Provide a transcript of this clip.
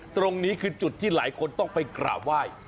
ตรงนี้คือจุดที่หลายคนต้องไปกราบไหว้